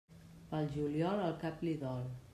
Pel juliol, el cap li dol.